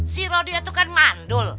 si rodia itu kan mandul